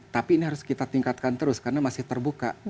tapi ini harus kita tingkatkan terus karena masih terbuka